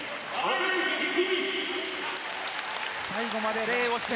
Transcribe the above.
最後まで礼をして。